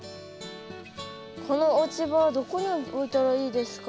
この落ち葉はどこに置いたらいいですか？